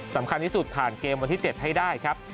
สำคัญที่สุดผ่านเกมวันที่๗ให้ได้ครับ